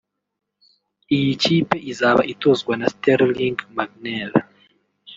Iyi kipe izaba itozwa na Sterling Magnell